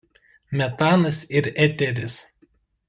Metanas ir eteris.